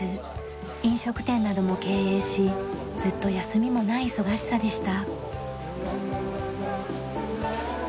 飲食店なども経営しずっと休みもない忙しさでした。